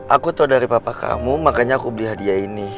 aku tuh dari papa kamu makanya aku beli hadiah ini